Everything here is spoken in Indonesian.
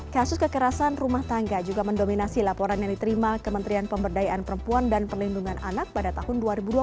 kasus kekerasan rumah tangga juga mendominasi laporan yang diterima kementerian pemberdayaan perempuan dan perlindungan anak pada tahun dua ribu dua puluh